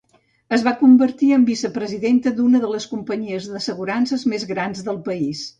Es va convertir en vicepresidenta d'una de les companyies d'assegurances més grans del país.